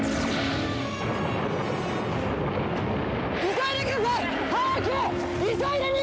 急いでください！